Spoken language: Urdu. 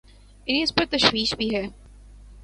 انہیں اس پر تشویش بھی ہے۔